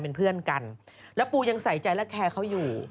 เป็นเพื่อนกันแล้วปูยังใส่ใจและแคร์เขาอยู่